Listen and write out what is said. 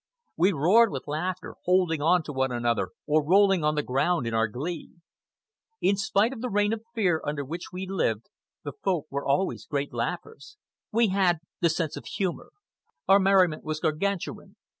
We roared with laughter, holding on to one another or rolling on the ground in our glee. In spite of the reign of fear under which we lived, the Folk were always great laughers. We had the sense of humor. Our merriment was Gargantuan.